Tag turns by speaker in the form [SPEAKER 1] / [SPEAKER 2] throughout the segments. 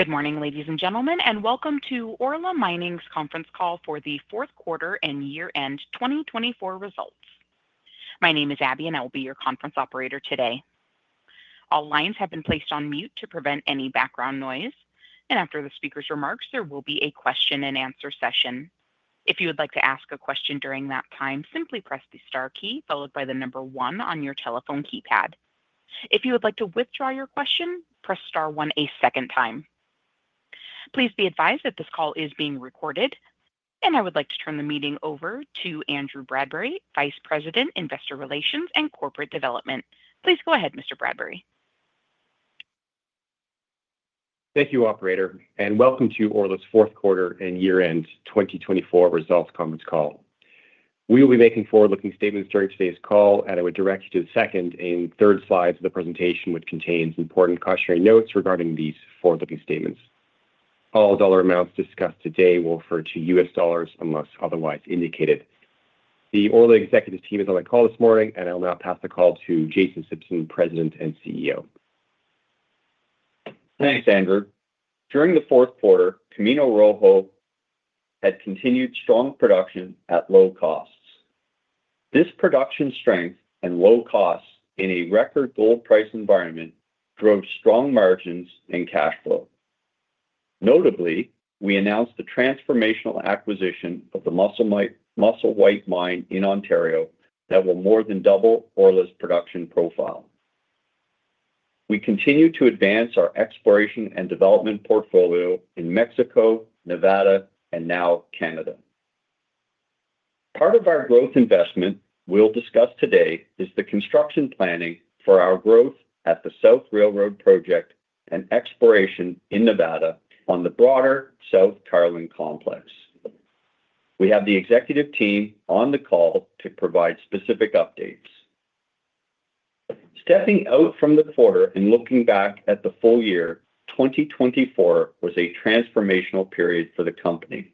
[SPEAKER 1] Good morning, ladies and gentlemen, and welcome to Orla Mining's conference call for the fourth quarter and year-end 2024 results. My name is Abby, and I will be your conference operator today. All lines have been placed on mute to prevent any background noise, and after the speaker's remarks, there will be a question-and-answer session. If you would like to ask a question during that time, simply press the star key followed by the number one on your telephone keypad. If you would like to withdraw your question, press star one a second time. Please be advised that this call is being recorded, and I would like to turn the meeting over to Andrew Bradbury, Vice President, Investor Relations and Corporate Development. Please go ahead, Mr. Bradbury.
[SPEAKER 2] Thank you, Operator, and welcome to Orla's fourth quarter and year-end 2024 results conference call. We will be making forward-looking statements during today's call, and I would direct you to the second and third slides of the presentation, which contains important cautionary notes regarding these forward-looking statements. All dollar amounts discussed today will refer to U.S. dollars unless otherwise indicated. The Orla Executive Team is on the call this morning, and I will now pass the call to Jason Simpson, President and CEO.
[SPEAKER 3] Thanks, Andrew. During the fourth quarter, Camino Rojo had continued strong production at low costs. This production strength and low costs in a record gold price environment drove strong margins and cash flow. Notably, we announced the transformational acquisition of the Musselwhite Mine in Ontario that will more than double Orla's production profile. We continue to advance our exploration and development portfolio in Mexico, Nevada, and now Canada. Part of our growth investment we'll discuss today is the construction planning for our growth at the South Railroad Project and exploration in Nevada on the broader South Carlin Complex. We have the Executive Team on the call to provide specific updates. Stepping out from the quarter and looking back at the full year, 2024 was a transformational period for the company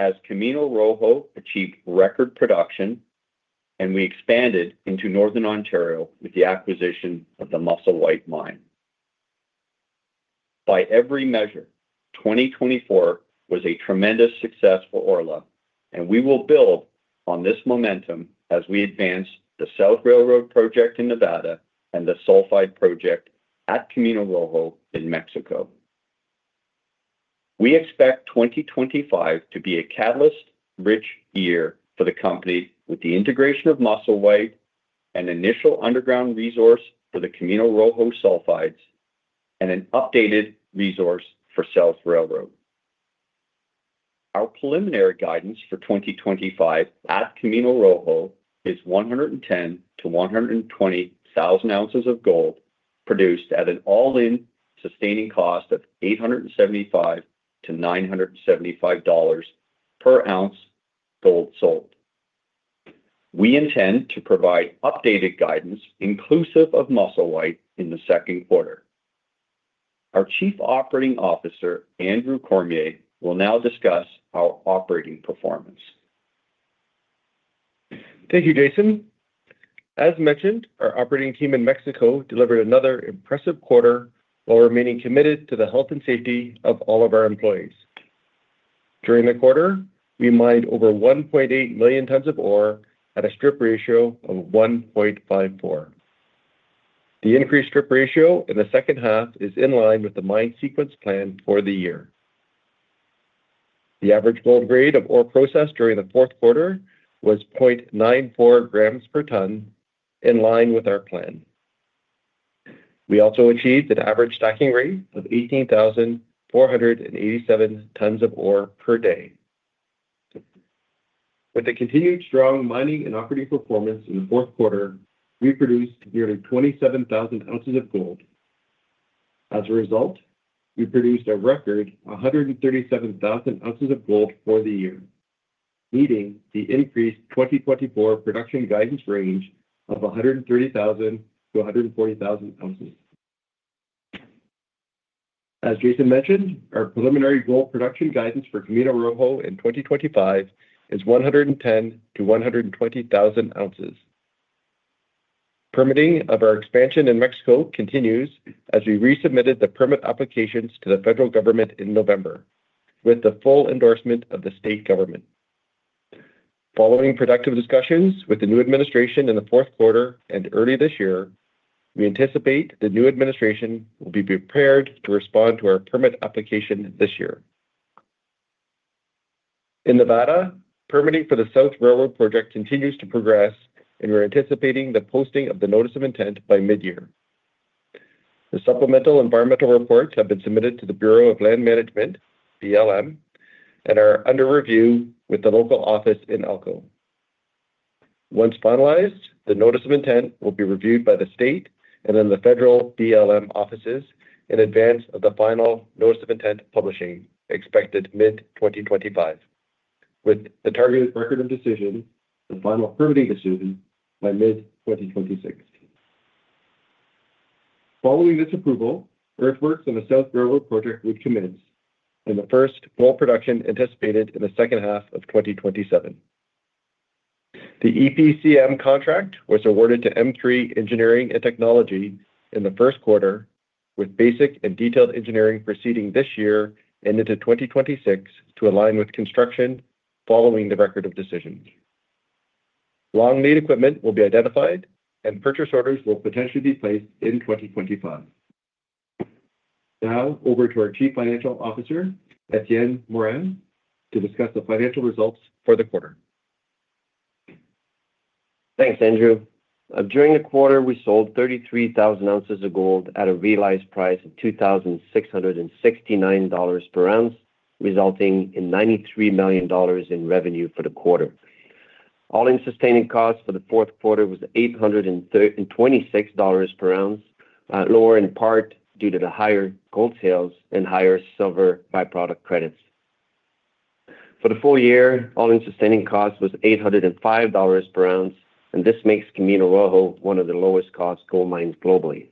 [SPEAKER 3] as Camino Rojo achieved record production and we expanded into northern Ontario with the acquisition of the Musselwhite Mine. By every measure, 2024 was a tremendous success for Orla, and we will build on this momentum as we advance the South Railroad Project in Nevada and the Sulfide Project at Camino Rojo in Mexico. We expect 2025 to be a catalyst-rich year for the company with the integration of Musselwhite, an initial underground resource for the Camino Rojo Sulfides, and an updated resource for South Railroad. Our preliminary guidance for 2025 at Camino Rojo is 110,000-120,000 ounces of gold produced at an all-in sustaining cost of $875-$975 per ounce gold sold. We intend to provide updated guidance inclusive of Musselwhite in the second quarter. Our Chief Operating Officer, Andrew Cormier, will now discuss our operating performance.
[SPEAKER 4] Thank you, Jason. As mentioned, our Operating Team in Mexico delivered another impressive quarter while remaining committed to the health and safety of all of our employees. During the quarter, we mined over 1.8 million tons of ore at a strip ratio of 1.54. The increased strip ratio in the second half is in line with the mine sequence plan for the year. The average gold grade of ore processed during the fourth quarter was 0.94 grams per ton, in line with our plan. We also achieved an average stacking rate of 18,487 tons of ore per day. With the continued strong mining and operating performance in the fourth quarter, we produced nearly 27,000 ounces of gold. As a result, we produced a record 137,000 ounces of gold for the year, meeting the increased 2024 production guidance range of 130,000-140,000 ounces. As Jason mentioned, our preliminary gold production guidance for Camino Rojo in 2025 is 110,000-120,000 ounces. Permitting of our expansion in Mexico continues as we resubmitted the permit applications to the federal government in November, with the full endorsement of the state government. Following productive discussions with the new administration in the fourth quarter and early this year, we anticipate the new administration will be prepared to respond to our permit application this year. In Nevada, permitting for the South Railroad Project continues to progress, and we're anticipating the posting of the Notice of Intent by mid-year. The supplemental environmental reports have been submitted to the Bureau of Land Management, BLM, and are under review with the local office in Elko. Once finalized, the Notice of Intent will be reviewed by the state and then the federal BLM offices in advance of the final Notice of Intent publishing expected mid-2025, with the targeted Record of Decision, the final permitting decision, by mid-2026. Following this approval, earthworks on the South Railroad Project would commence, and the first full production anticipated in the second half of 2027. The EPCM contract was awarded to M3 Engineering and Technology in the first quarter, with basic and detailed engineering proceeding this year and into 2026 to align with construction following the Record of Decision. Long-lead equipment will be identified, and purchase orders will potentially be placed in 2025. Now, over to our Chief Financial Officer, Etienne Morin, to discuss the financial results for the quarter.
[SPEAKER 5] Thanks, Andrew. During the quarter, we sold 33,000 ounces of gold at a realized price of $2,669 per ounce, resulting in $93 million in revenue for the quarter. All-in sustaining costs for the fourth quarter was $826 per ounce, lower in part due to the higher gold sales and higher silver byproduct credits. For the full year, all-in sustaining cost was $805 per ounce, and this makes Camino Rojo one of the lowest-cost gold mines globally.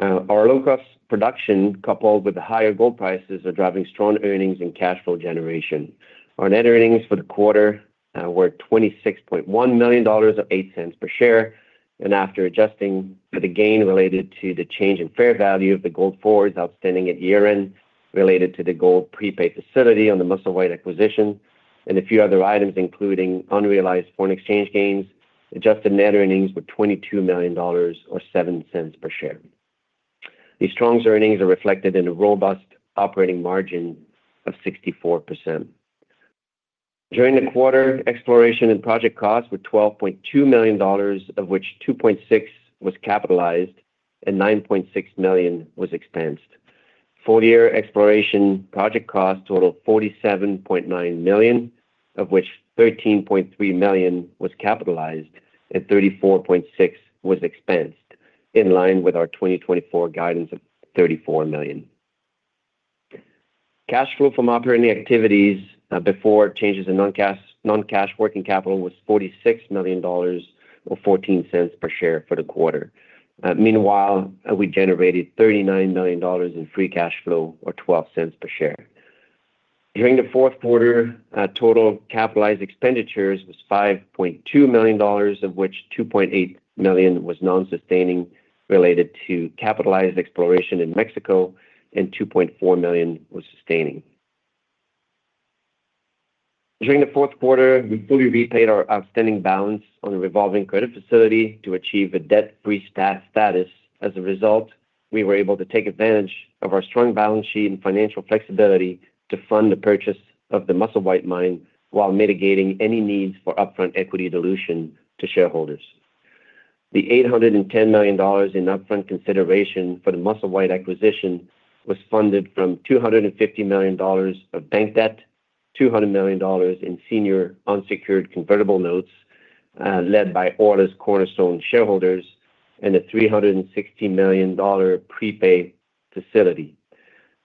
[SPEAKER 5] Our low-cost production, coupled with the higher gold prices, are driving strong earnings and cash flow generation. Our net earnings for the quarter were $26.1 million or eight cents per share, and after adjusting for the gain related to the change in fair value of the gold forwards outstanding at year-end related to the gold prepaid facility on the Musselwhite acquisition and a few other items, including unrealized foreign exchange gains, adjusted net earnings were $22 million or seven cents per share. These strong earnings are reflected in a robust operating margin of 64%. During the quarter, exploration and project costs were $12.2 million, of which $2.6 million was capitalized and $9.6 million was expensed. Full-year exploration project costs totaled $47.9 million, of which $13.3 million was capitalized and $34.6 million was expensed, in line with our 2024 guidance of $34 million. Cash flow from operating activities before changes in non-cash working capital was $46 million or 14 cents per share for the quarter. Meanwhile, we generated $39 million in free cash flow or $0.12 per share. During the fourth quarter, total capitalized expenditures was $5.2 million, of which $2.8 million was non-sustaining related to capitalized exploration in Mexico and $2.4 million was sustaining. During the fourth quarter, we fully repaid our outstanding balance on the revolving credit facility to achieve a debt-free status. As a result, we were able to take advantage of our strong balance sheet and financial flexibility to fund the purchase of the Musselwhite Mine while mitigating any needs for upfront equity dilution to shareholders. The $810 million in upfront consideration for the Musselwhite acquisition was funded from $250 million of bank debt, $200 million in senior unsecured convertible notes led by Orla's cornerstone shareholders, and a $360 million prepay facility.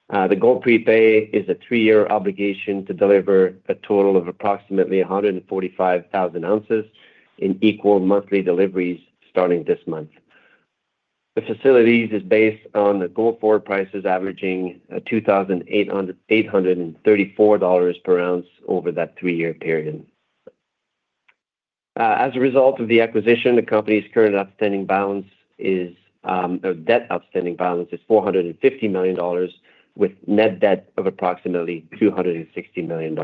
[SPEAKER 5] The gold prepay is a three-year obligation to deliver a total of approximately 145,000 ounces in equal monthly deliveries starting this month. The facilities is based on the gold forward prices averaging $2,834 per ounce over that three-year period. As a result of the acquisition, the company's current outstanding balance is, or debt outstanding balance is $450 million, with net debt of approximately $260 million.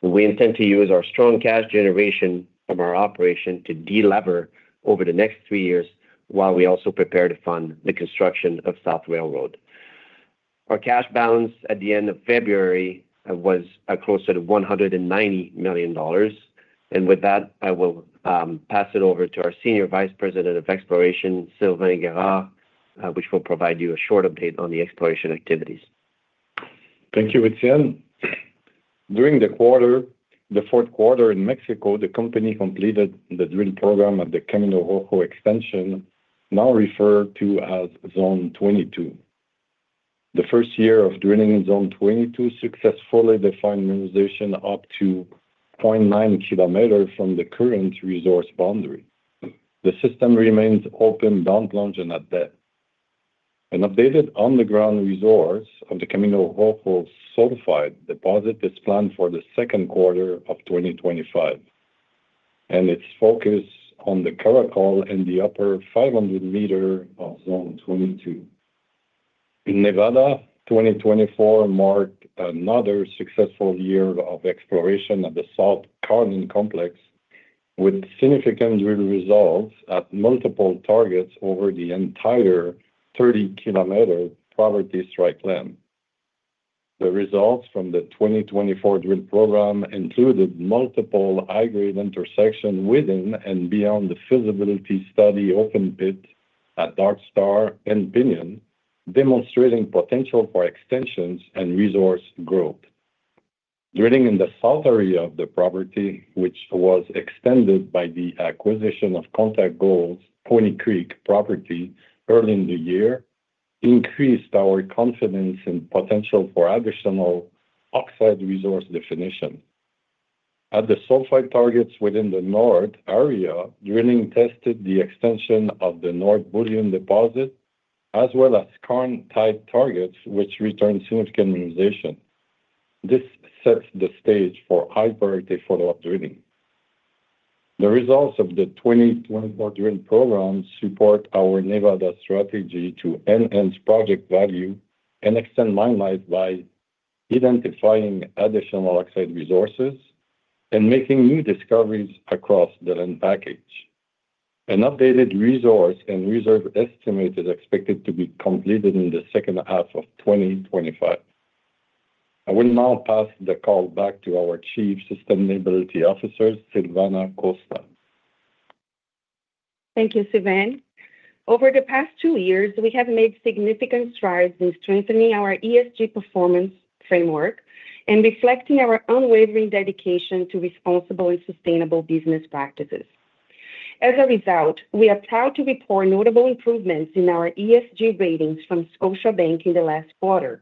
[SPEAKER 5] We intend to use our strong cash generation from our operation to delever over the next three years while we also prepare to fund the construction of South Railroad. Our cash balance at the end of February was close to $190 million, and with that, I will pass it over to our Senior Vice President of Exploration, Sylvain Guerard, which will provide you a short update on the exploration activities.
[SPEAKER 6] Thank you, Etienne. During the quarter, the fourth quarter in Mexico, the company completed the drill program at the Camino Rojo Extension, now referred to as Zone 22. The first year of drilling in Zone 22 successfully defined mineralization up to 0.9 kilometers from the current resource boundary. The system remains open, downplunged, and at depth. An updated underground resource of the Camino Rojo Sulfide deposit is planned for the second quarter of 2025, and its focus on the Caracol and the upper 500-meter of Zone 22. In Nevada, 2024 marked another successful year of exploration at the South Carlin Complex, with significant drill results at multiple targets over the entire 30-kilometer property strike length. The results from the 2024 drill program included multiple high-grade intersections within and beyond the feasibility study open pit at Dark Star and Pinion, demonstrating potential for extensions and resource growth. Drilling in the south area of the property, which was extended by the acquisition of Contact Gold's Pony Creek property early in the year, increased our confidence in potential for additional oxide resource definition. At the sulfide targets within the north area, drilling tested the extension of the North Bullion deposit, as well as Karn-Tight targets, which returned significant mineralization. This sets the stage for high-priority follow-up drilling. The results of the 2024 drill program support our Nevada strategy to enhance project value and extend mine life by identifying additional oxide resources and making new discoveries across the land package. An updated resource and reserve estimate is expected to be completed in the second half of 2025. I will now pass the call back to our Chief Sustainability Officer, Silvana Costa.
[SPEAKER 7] Thank you, Sylvain. Over the past two years, we have made significant strides in strengthening our ESG performance framework and reflecting our unwavering dedication to responsible and sustainable business practices. As a result, we are proud to report notable improvements in our ESG ratings from Scotiabank in the last quarter,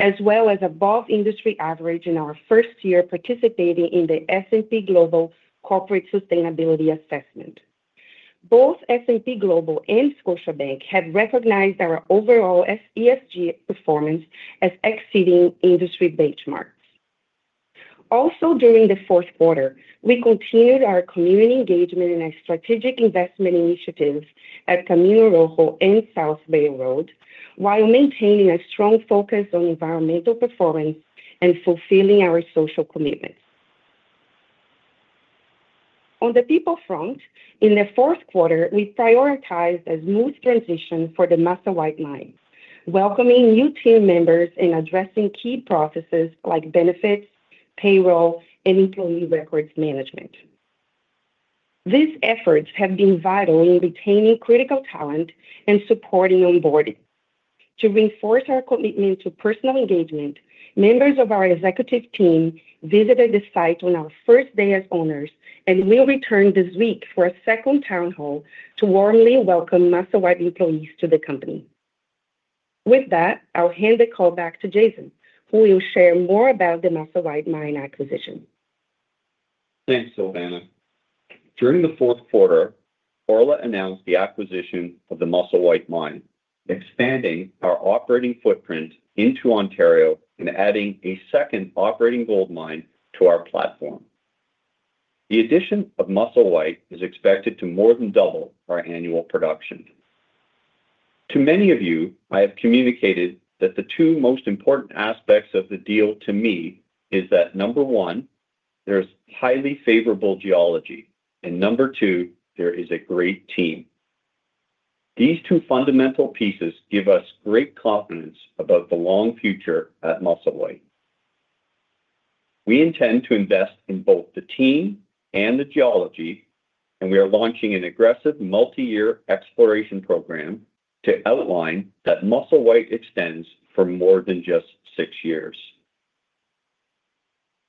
[SPEAKER 7] as well as above industry average in our first year participating in the S&P Global Corporate Sustainability Assessment. Both S&P Global and Scotiabank have recognized our overall ESG performance as exceeding industry benchmarks. Also, during the fourth quarter, we continued our community engagement and our strategic investment initiatives at Camino Rojo and South Railroad, while maintaining a strong focus on environmental performance and fulfilling our social commitments. On the people front, in the fourth quarter, we prioritized a smooth transition for the Musselwhite Mine, welcoming new team members and addressing key processes like benefits, payroll, and employee records management. These efforts have been vital in retaining critical talent and supporting onboarding. To reinforce our commitment to personal engagement, members of our executive team visited the site on our first day as owners, and we will return this week for a second town hall to warmly welcome Musselwhite employees to the company. With that, I will hand the call back to Jason, who will share more about the Musselwhite mine acquisition.
[SPEAKER 3] Thanks, Silvana. During the fourth quarter, Orla announced the acquisition of the Musselwhite Mine, expanding our operating footprint into Ontario and adding a second operating gold mine to our platform. The addition of Musselwhite is expected to more than double our annual production. To many of you, I have communicated that the two most important aspects of the deal to me are that, number one, there is highly favorable geology, and number two, there is a great team. These two fundamental pieces give us great confidence about the long future at Musselwhite. We intend to invest in both the team and the geology, and we are launching an aggressive multi-year exploration program to outline that Musselwhite extends for more than just six years.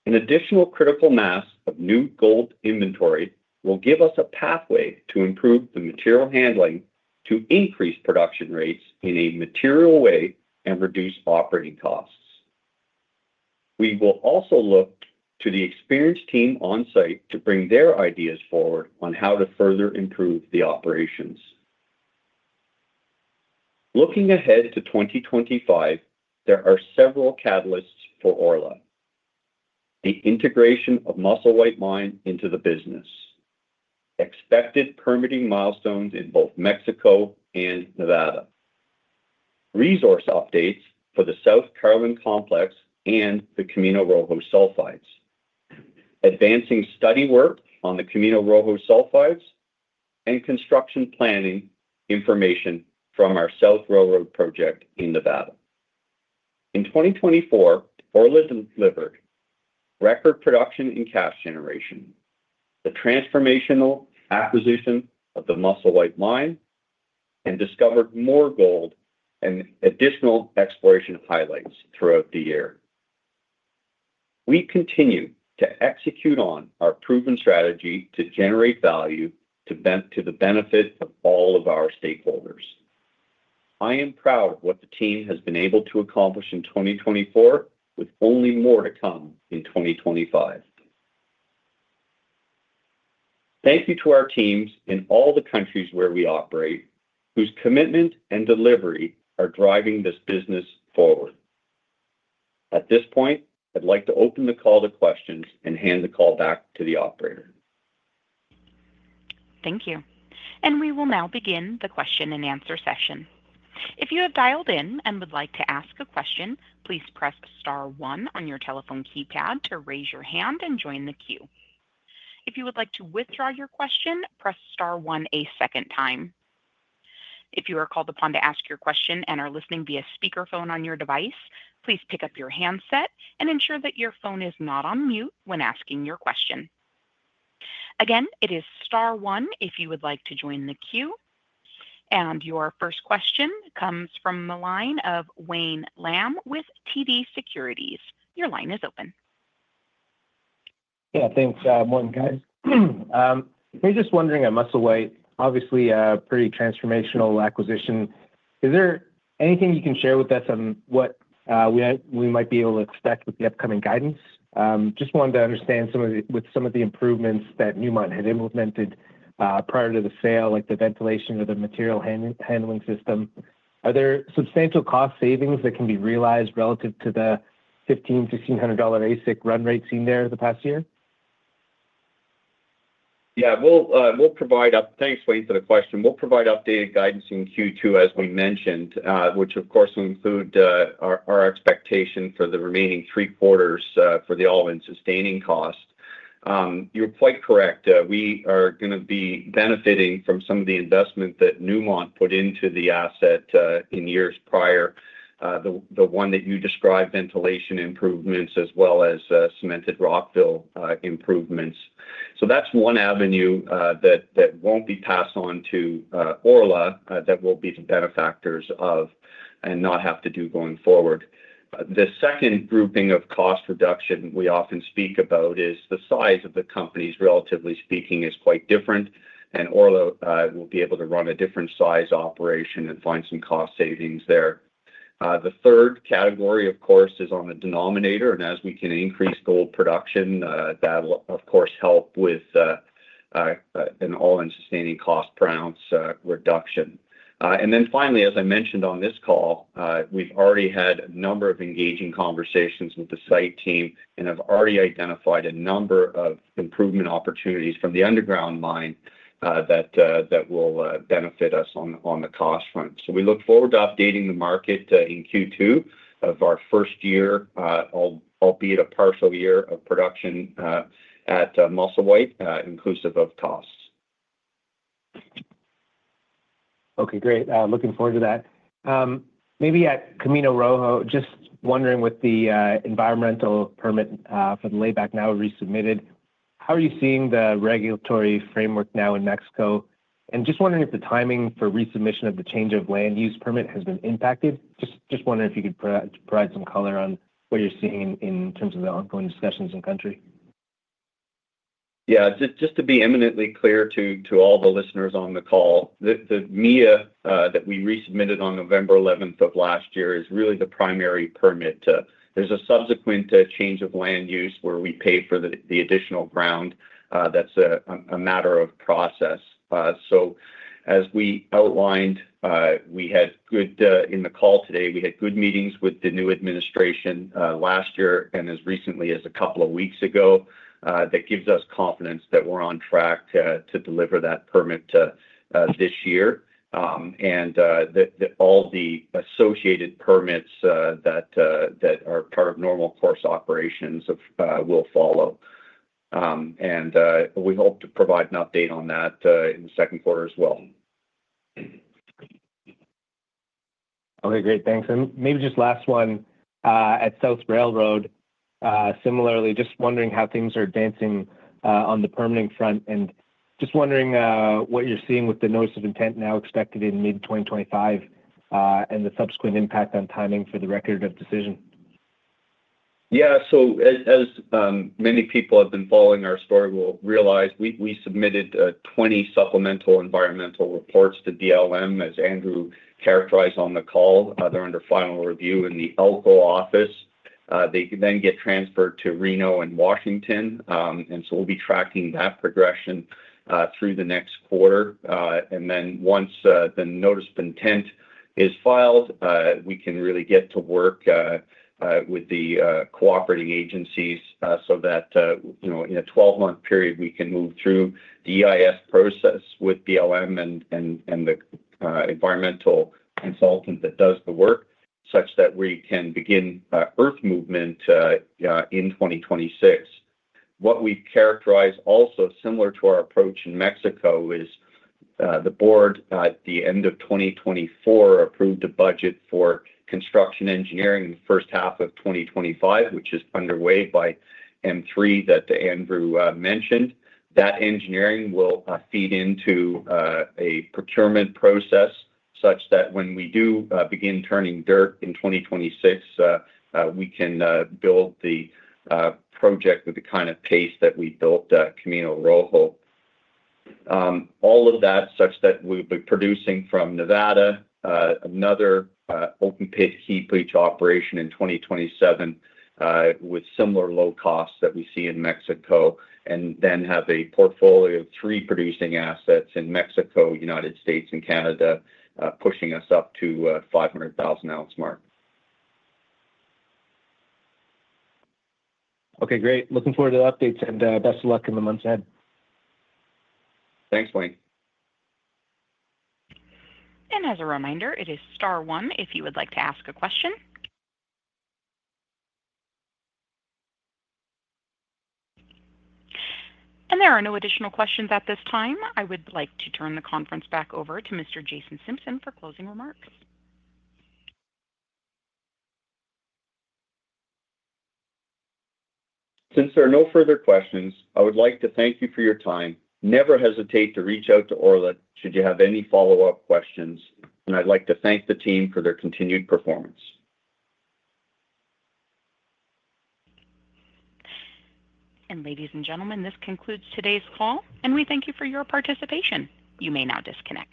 [SPEAKER 3] An additional critical mass of new gold inventory will give us a pathway to improve the material handling to increase production rates in a material way and reduce operating costs. We will also look to the experienced team on site to bring their ideas forward on how to further improve the operations. Looking ahead to 2025, there are several catalysts for Orla: the integration of Musselwhite Mine into the business, expected permitting milestones in both Mexico and Nevada, resource updates for the South Carlin Complex and the Camino Rojo Sulfides, advancing study work on the Camino Rojo Sulfides, and construction planning information from our South Railroad Project in Nevada. In 2024, Orla delivered record production in cash generation, the transformational acquisition of the Musselwhite Mine, and discovered more gold and additional exploration highlights throughout the year. We continue to execute on our proven strategy to generate value to the benefit of all of our stakeholders. I am proud of what the team has been able to accomplish in 2024, with only more to come in 2025. Thank you to our teams in all the countries where we operate, whose commitment and delivery are driving this business forward. At this point, I'd like to open the call to questions and hand the call back to the operator.
[SPEAKER 1] Thank you. We will now begin the question-and-answer session. If you have dialed in and would like to ask a question, please press star one on your telephone keypad to raise your hand and join the queue. If you would like to withdraw your question, press star one a second time. If you are called upon to ask your question and are listening via speakerphone on your device, please pick up your handset and ensure that your phone is not on mute when asking your question. Again, it is star one if you would like to join the queue. Your first question comes from the line of Wayne Lam with TD Securities. Your line is open.
[SPEAKER 8] Yeah, thanks, Morning, guys. We're just wondering, at Musselwhite, obviously a pretty transformational acquisition. Is there anything you can share with us on what we might be able to expect with the upcoming guidance? Just wanted to understand some of the improvements that Newmont had implemented prior to the sale, like the ventilation or the material handling system. Are there substantial cost savings that can be realized relative to the $1,500-$1,600 AISC run rates seen there the past year?
[SPEAKER 3] Yeah, we'll provide up—thanks, Wayne, for the question. We'll provide updated guidance in Q2, as we mentioned, which, of course, will include our expectation for the remaining three quarters for the all-in sustaining cost. You're quite correct. We are going to be benefiting from some of the investment that Newmont put into the asset in years prior, the one that you described, ventilation improvements, as well as cemented rock fill improvements. That's one avenue that won't be passed on to Orla that we will be the benefactors of and not have to do going forward. The second grouping of cost reduction we often speak about is the size of the companies, relatively speaking, is quite different, and Orla will be able to run a different size operation and find some cost savings there. The third category, of course, is on the denominator, and as we can increase gold production, that will, of course, help with an all-in sustaining cost balance reduction. Finally, as I mentioned on this call, we've already had a number of engaging conversations with the site team and have already identified a number of improvement opportunities from the underground mine that will benefit us on the cost front. We look forward to updating the market in Q2 of our first year, albeit a partial year of production at Musselwhite, inclusive of costs.
[SPEAKER 8] Okay, great. Looking forward to that. Maybe at Camino Rojo, just wondering with the environmental permit for the layback now resubmitted, how are you seeing the regulatory framework now in Mexico? Just wondering if the timing for resubmission of the change of land use permit has been impacted. Just wondering if you could provide some color on what you're seeing in terms of the ongoing discussions in country.
[SPEAKER 3] Yeah, just to be eminently clear to all the listeners on the call, the MIA that we resubmitted on November 11 of last year is really the primary permit. There is a subsequent change of land use where we pay for the additional ground. That is a matter of process. As we outlined, we had good—in the call today, we had good meetings with the new administration last year and as recently as a couple of weeks ago. That gives us confidence that we are on track to deliver that permit this year. All the associated permits that are part of normal course operations will follow. We hope to provide an update on that in the second quarter as well.
[SPEAKER 8] Okay, great. Thanks. Maybe just last one, at South Railroad, similarly, just wondering how things are advancing on the permitting front. Just wondering what you're seeing with the notice of intent now expected in mid-2025 and the subsequent impact on timing for the record of decision.
[SPEAKER 3] Yeah, so as many people have been following our story, we'll realize we submitted 20 supplemental environmental reports to BLM, as Andrew characterized on the call. They're under final review in the Elko office. They can then get transferred to Reno and Washington. We'll be tracking that progression through the next quarter. Once the notice of intent is filed, we can really get to work with the cooperating agencies so that in a 12-month period, we can move through the EIS process with BLM and the environmental consultant that does the work such that we can begin earth movement in 2026. What we characterize also, similar to our approach in Mexico, is the board at the end of 2024 approved a budget for construction engineering in the first half of 2025, which is underway by M3 that Andrew mentioned. That engineering will feed into a procurement process such that when we do begin turning dirt in 2026, we can build the project with the kind of pace that we built Camino Rojo. All of that such that we'll be producing from Nevada another open pit heap leach operation in 2027 with similar low costs that we see in Mexico, and then have a portfolio of three producing assets in Mexico, United States, and Canada, pushing us up to the 500,000-ounce mark.
[SPEAKER 8] Okay, great. Looking forward to the updates and best of luck in the months ahead.
[SPEAKER 3] Thanks, Wayne.
[SPEAKER 1] As a reminder, it is star one if you would like to ask a question. There are no additional questions at this time. I would like to turn the conference back over to Mr. Jason Simpson for closing remarks.
[SPEAKER 3] Since there are no further questions, I would like to thank you for your time. Never hesitate to reach out to Orla should you have any follow-up questions. I would like to thank the team for their continued performance.
[SPEAKER 1] Ladies and gentlemen, this concludes today's call, and we thank you for your participation. You may now disconnect.